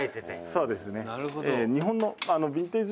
「そうですね」